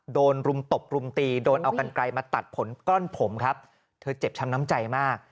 รุมตบรุมตีโดนเอากันไกลมาตัดผลก้อนผมครับเธอเจ็บช้ำน้ำใจมาก